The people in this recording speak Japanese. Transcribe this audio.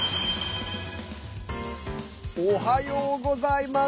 おはようございます。